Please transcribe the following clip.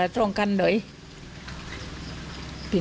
ใช่